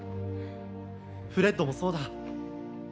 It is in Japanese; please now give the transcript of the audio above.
フレッドもそうだ∈